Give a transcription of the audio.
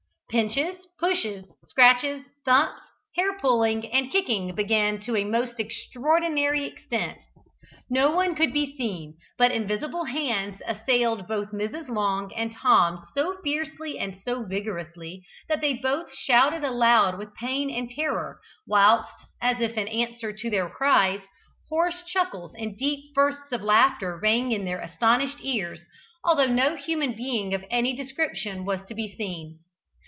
Pinches, pushes, scratches, thumps, hair pulling, and kicking began to a most extraordinary extent. No one could be seen, but invisible hands assailed both Mrs. Long and Tom so fiercely and so vigorously, that they both shouted aloud with pain and terror, whilst, as if in answer to their cries, hoarse chuckles and deep bursts of laughter rang in their astonished ears, although no human being of any description was to be seen.